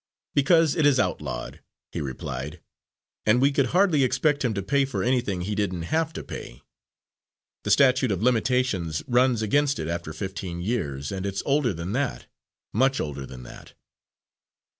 "Because it is outlawed," he replied, "and we could hardly expect him to pay for anything he didn't have to pay. The statute of limitations runs against it after fifteen years and it's older than that, much older than that."